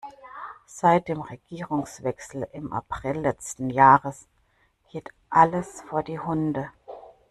Seit dem Regierungswechsel im April letzten Jahres geht alles vor die Hunde.